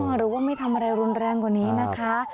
หรือว่าไม่ทำอะไรรุนแรงกว่านี้นะคะ